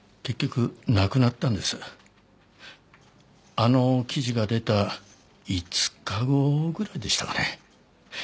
あの記事が出た５日後ぐらいでしたかね。